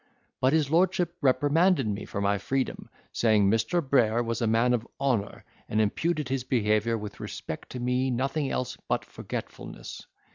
But his lordship reprimanded me for my freedom, said Mr. Brayer was a man of honour, and imputed his behaviour with respect to me nothing else but forgetfulness.